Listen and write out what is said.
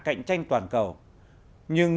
cạnh tranh toàn cầu nhưng